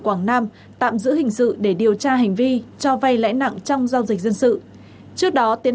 quảng nam tạm giữ hình sự để điều tra hành vi cho vay lãi nặng trong giao dịch dân sự trước đó tiến